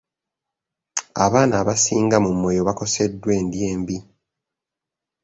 Abaana abasinga mu Moyo bakoseddwa endya embi.